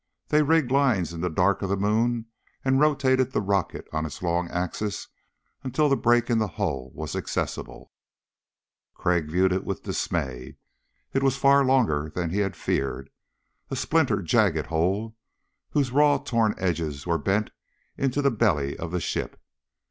They rigged lines in the dark of the moon and rotated the rocket on its long axis until the break in the hull was accessible. Crag viewed it with dismay. It was far longer than he had feared a splintered jagged hole whose raw torn edges were bent into the belly of the ship.